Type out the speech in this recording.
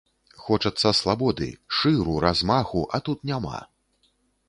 Хочацца слабоды, шыру, размаху, а тут няма.